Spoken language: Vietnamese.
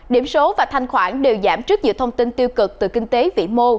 điểm số và thanh khoản đều giảm trước nhiều thông tin tiêu cực từ kinh tế vĩ mô